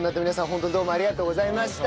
ホントにどうもありがとうございました。